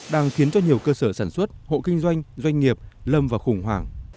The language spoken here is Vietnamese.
đang khiến cho nhiều cơ sở sản xuất hộ kinh doanh doanh nghiệp lâm vào khủng hoảng